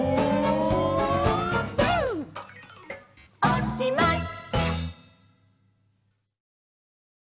おしまい！